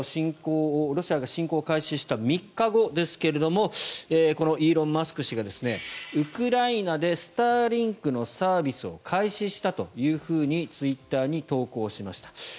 ロシアが侵攻開始した３日後ですがこのイーロン・マスク氏がウクライナでスターリンクのサービスを開始したとツイッターに投稿しました。